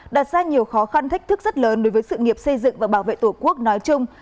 đặt ra nhiều khó khăn thách thức rất lớn đối với sự nghiệp xây dựng và bảo vệ tổ quốc nói chung